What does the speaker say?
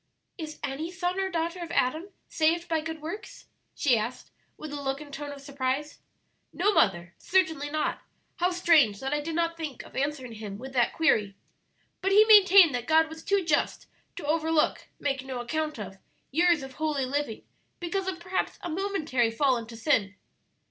'" "Is any son or daughter of Adam saved by good works?" she asked, with a look and tone of surprise. "No, mother, certainly not; how strange that I did not think of answering him with that query. But he maintained that God was too just to overlook make no account of years of holy living because of perhaps a momentary fall into sin."